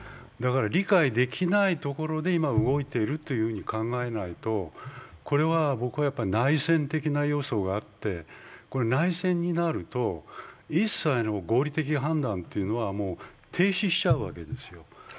だから理解できないところで今、動いていると考えないと、これは僕は内戦的な要素があって、内戦になると一切の合理的判断は停止しちゃうわけです。